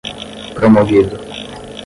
promovido